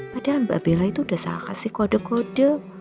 padahal mbak bella itu udah saya kasih kode kode